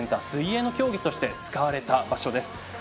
水泳の競技として使われた場所です。